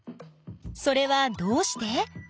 それはどうして？